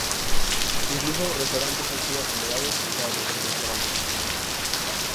Incluso restaurantes han sido acomodados para los secuestrados.